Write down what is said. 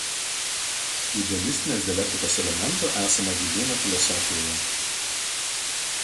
Idealistinės dialektikos elementų esama Vydūno filosofijoje.